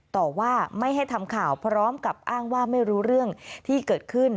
ต่อว่าไม่ให้ทำข่าวพร้อมกับอ้างว่าไม่รู้เรื่องที่เกิดขึ้น